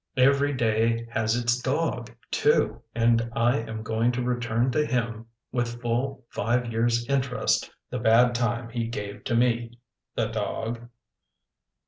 Every day has its dog, too, and I am going to return to him with full five years' interest the bad time he gave to me. The dog.